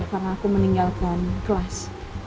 karena aku meninggalkan kelas